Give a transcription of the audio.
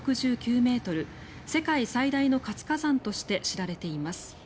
世界最大の活火山として知られています。